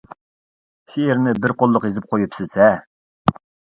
شېئىرنى بىر قوللۇق يېزىپ قويۇپسىز ھە.